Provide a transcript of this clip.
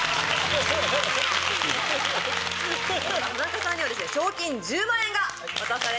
田中さんには賞金１０万円が渡されます。